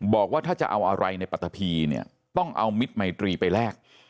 บอกว่าถ้าจะเอาอะไรในปัตตะพีเนี่ยต้องเอามิตรไมตรีไปแลก